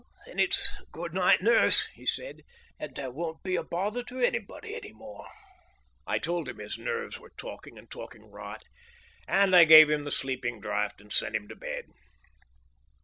"Then it's 'Good night, nurse,'" he said. "And I won't be a bother to anybody any more." I told him his nerves were talking, and talking rot, and I gave him the sleeping draft and sent him to bed.